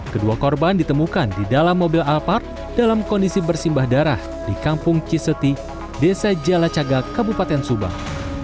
kedua korban ditemukan di dalam mobil alphard dalam kondisi bersimbah darah di kampung ciseti desa jalacaga kabupaten subang